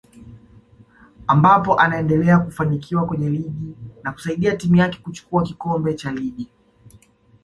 ambapo anaendelea kufanikiwa kwenye ligi na kusaidia timu yake kuchukua kikombe cha ligi